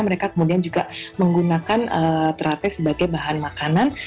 mereka kemudian juga menggunakan terate sebagai bahan makanan